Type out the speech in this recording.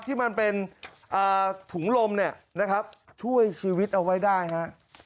ที่มันเป็นถุงลมเนี่ยนะครับช่วยชีวิตเอาไว้ได้ฮะ